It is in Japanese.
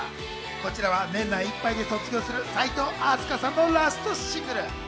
こちらは年内いっぱいで卒業する齋藤飛鳥さんのラストシングル。